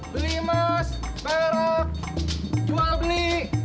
beli emas perak cuma agni